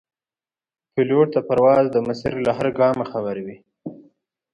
پیلوټ د پرواز د مسیر له هر ګامه خبر وي.